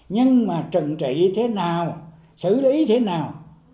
nhưng mà trừng trị như thế nào xử lý thế nào